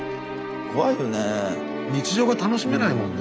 怖いよね。